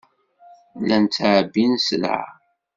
Llan ttɛebbin sselɛa.